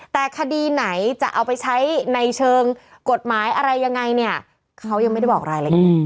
แต่คดีไหนจะเอาไปใช้ในเชิงกฎหมายอะไรยังไงเนี่ยเขายังไม่ได้บอกรายละเอียด